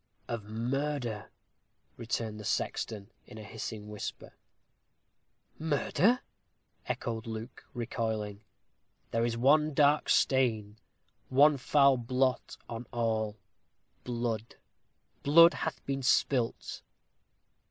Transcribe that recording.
"Of murder!" returned the sexton, in a hissing whisper. "Murder!" echoed Luke, recoiling. "There is one dark stain one foul blot on all. Blood blood hath been spilt."